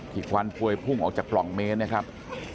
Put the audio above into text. ควันพวยพุ่งออกจากปล่องเมตรนะครับ